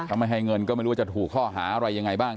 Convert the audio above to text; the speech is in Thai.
ถ้าไม่ให้เงินก็ไม่รู้ว่าจะถูกข้อหาอะไรยังไงบ้าง